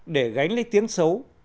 để gánh lấy tiếng xấu